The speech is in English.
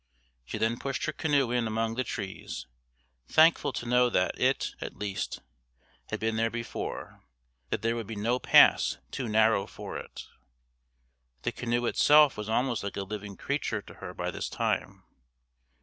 She then pushed her canoe in among the trees, thankful to know that it, at least, had been there before, that there would be no pass too narrow for it. The canoe itself was almost like a living creature to her by this time.